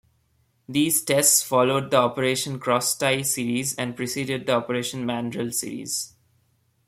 These tests followed the "Operation Crosstie" series and preceded the "Operation Mandrel" series.